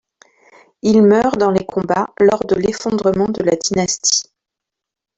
Il meurt dans les combats lors de l’effondrement de la dynastie.